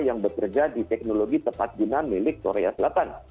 yang bekerja diteknologi tepat dinam miliki korean